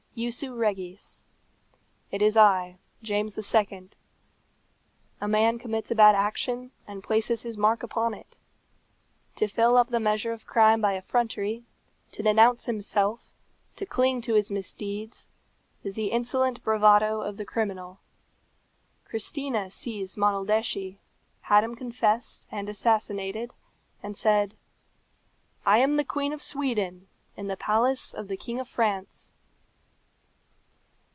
Jussu regis. It is I, James the Second. A man commits a bad action, and places his mark upon it. To fill up the measure of crime by effrontery, to denounce himself, to cling to his misdeeds, is the insolent bravado of the criminal. Christina seized Monaldeschi, had him confessed and assassinated, and said, "I am the Queen of Sweden, in the palace of the King of France."